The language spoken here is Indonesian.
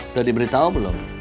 udah diberitahu belum